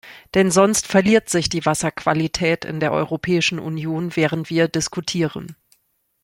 Denn sonst verliert sich die Wasserqualität in der Europäischen Union, während wir diskutieren.